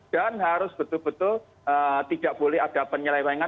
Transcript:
dan harus betul betul tidak boleh ada penyelewengan